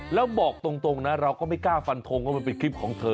แล้วบอกตรงนะเราก็ไม่กล้าฟันทงว่ามันเป็นคลิปของเธอ